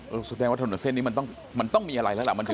แสดงว่าถนนเส้นนี้มันต้องมันต้องมีอะไรแล้วล่ะมันถึง